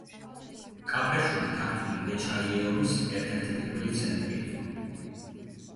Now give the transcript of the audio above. კაპრეშუმი ქართული მეჩაიეობის ერთ-ერთი პირველი ცენტრი იყო.